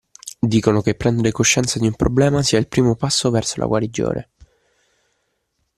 Dicono che prendere coscienza di un problema sia il primo passo verso la guarigione